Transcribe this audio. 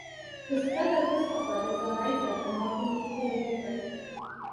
His brother Christopher is a writer and documentary filmmaker.